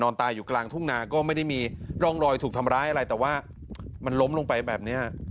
ตายอยู่กลางทุ่งนาก็ไม่ได้มีร่องรอยถูกทำร้ายอะไรแต่ว่ามันล้มลงไปแบบเนี้ย